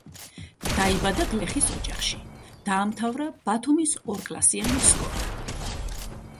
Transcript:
დაიბადა გლეხის ოჯახში, დაამთავრა ბათუმის ორკლასიანი კოლა.